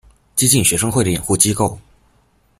激进学生会的掩护机构。